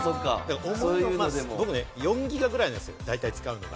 僕ね４ギガぐらいなんですよ、大体使うのが。